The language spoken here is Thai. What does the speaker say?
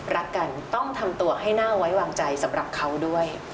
รักกันต้องทำตัวให้น่าไว้วางใจสำหรับเขาด้วย